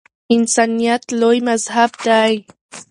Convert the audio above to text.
انسانیت لوی مذهب دی